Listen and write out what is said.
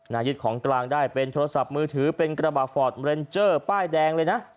ยึดของกลางได้เป็นโทรศัพท์มือถือเป็นกระบาดฟอร์ดเรนเจอร์ป้ายแดงเลยนะ